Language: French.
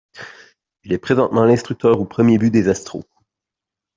Il est présentement l'instructeur au premier but des Astros.